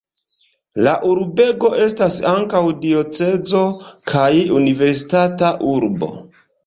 La urbego estas ankaŭ diocezo kaj universitata urbo.